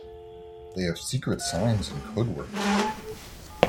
They have secret signs and code words.